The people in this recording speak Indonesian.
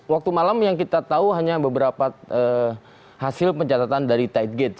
waktu malam yang kita tahu hanya beberapa hasil pencatatan dari tight gate